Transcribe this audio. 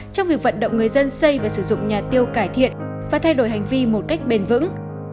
trong việc vận động người dân xây và sử dụng nhà tiêu cải thiện và thay đổi hành vi một cách bền vững